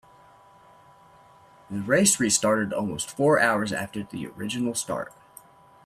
The race restarted almost four hours after the original start.